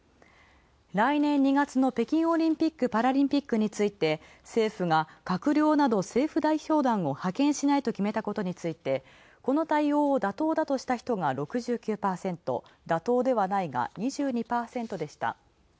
来年２月の北京オリンピック・パラリンピックについて、政府が閣僚など政府代表団を派遣しないと決めたことについて、この対応を妥当だとした人が６９％、妥当ではないが２２％でした。